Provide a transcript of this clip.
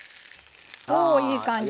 おいい感じ。